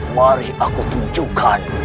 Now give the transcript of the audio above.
mari aku tunjukkan